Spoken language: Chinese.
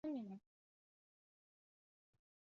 高墩四周有多条河流环绕。